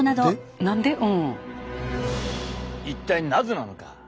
一体なぜなのか？